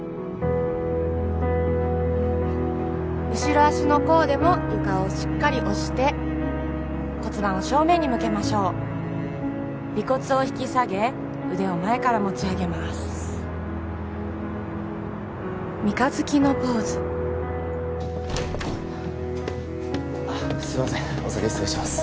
後ろ足の甲でも床をしっかり押して骨盤を正面に向けましょう尾骨を引き下げ腕を前から持ち上げます三日月のポーズすいませんお先に失礼します